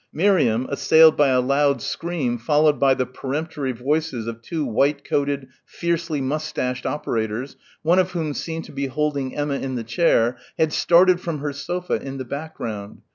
Miriam, assailed by a loud scream followed by the peremptory voices of two white coated, fiercely moustached operators, one of whom seemed to be holding Emma in the chair, had started from her sofa in the background.